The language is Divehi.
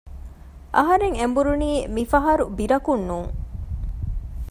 އަހަރެން އެނބުރުނީ މިފަހަރު ބިރަކުން ނޫން